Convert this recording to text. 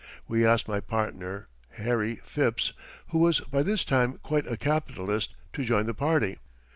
We asked my partner, Harry Phipps, who was by this time quite a capitalist, to join the party.